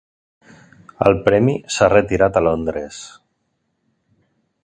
El premi s'ha retirat a Londres.